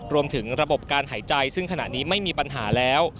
รวมถึงระบบการหายใจซึ่งขณะนี้ไม่มีปัญหาแล้ว